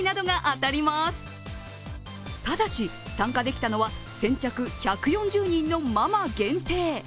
ただし、参加できたのは先着１４０人のママ限定。